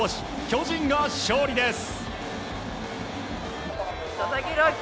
巨人が勝利です。